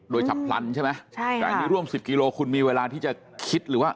โดยฉับพลันใช่ไหมใช่ค่ะแต่อันนี้ร่วมสิบกิโลคุณมีเวลาที่จะคิดหรือว่า